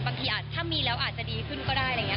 บางทีถ้ามีแล้วอาจจะดีขึ้นก็ได้อะไรอย่างนี้ค่ะ